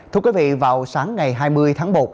thưa quý vị vào sáng ngày hai mươi tháng một